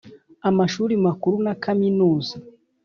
amashuri makuru na Kaminuza.